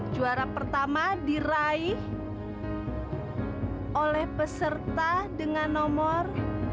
juara pertama diraih oleh peserta dengan nomor